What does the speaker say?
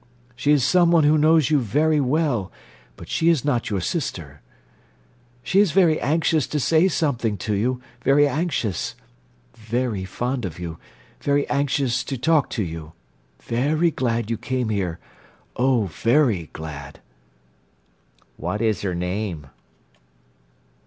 She is someone who knows you very well but she is not your sister. She is very anxious to say something to you—very anxious. Very fond of you; very anxious to talk to you. Very glad you came here—oh, very, glad!" "What is her name?"